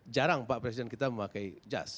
jarang pak presiden kita memakai jas